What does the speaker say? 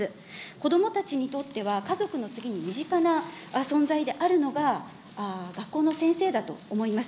子どもたちにとっては、家族の次に身近な存在であるのが、学校の先生だと思います。